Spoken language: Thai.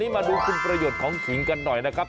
มาดูคุณประโยชน์ของขิงกันหน่อยนะครับ